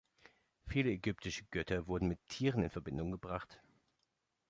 Viele ägyptische Götter wurden mit Tieren in Verbindung gebracht.